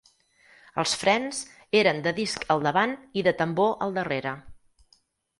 Els frens eren de disc al davant i de tambor al darrere.